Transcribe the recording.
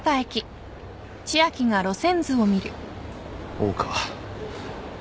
大川。